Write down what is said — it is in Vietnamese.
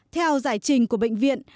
theo giải trình của bệnh viện